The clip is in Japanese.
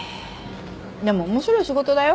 でも面白い仕事だよ。